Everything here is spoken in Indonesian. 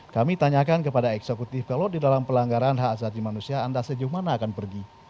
kami tanyakan kepada eksekutif kalau di dalam pelanggaran hak asasi manusia anda sejauh mana akan pergi